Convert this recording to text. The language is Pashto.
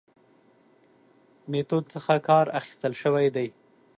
میتود څخه کار اخستل شوی دی.